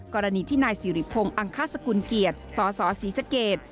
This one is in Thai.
กรณีที่นายสิริพงศ์อังคาสกุลเกียรติสสศรีสเกต